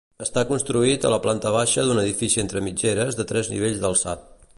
Està construït a la planta baixa d'un edifici entre mitgeres de tres nivells d'alçat.